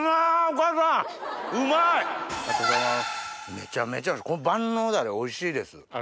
めちゃめちゃおいしいこの万能ダレおいしいです。